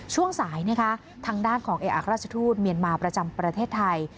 ช่วงสายนะคะทางด้านของเอกอักราชทูตเมียนมาประจำประเทศไทย